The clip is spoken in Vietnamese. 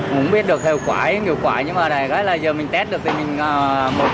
không biết được hiệu quả hay không hiệu quả nhưng mà đại gái là giờ mình test được thì mình một